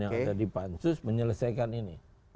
yang ada di pansus menyelesaikan ini